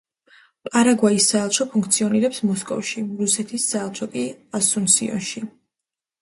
პარაგვაის საელჩო ფუნქციონირებს მოსკოვში, რუსეთის საელჩო კი ასუნსიონში.